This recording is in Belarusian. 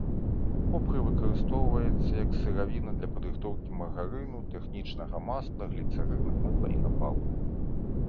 Копры выкарыстоўваецца як сыравіна для падрыхтоўкі маргарыну, тэхнічнага масла, гліцэрына, мыла і напалму.